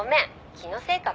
気のせいかも」